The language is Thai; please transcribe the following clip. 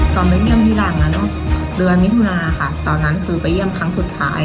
ไปเยี่ยมทีหลังอ่ะเนอะเดือนมิถุนาค่ะตอนนั้นคือไปเยี่ยมครั้งสุดท้าย